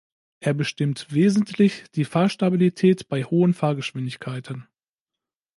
Er bestimmt wesentlich die Fahrstabilität bei hohen Fahrgeschwindigkeiten.